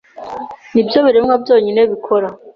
nibyo biremwa byonyine bikora